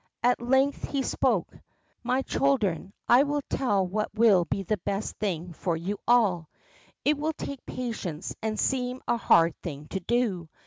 At length he spoke : My children, I will tell what will be the best WHAT THE FROGS TAUGHT 83 thing for you aU. It will take patience and seem a hard thing to do.